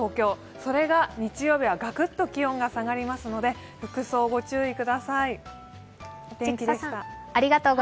それが日曜日はガクッと気温が下がりますので服装にご注意ください。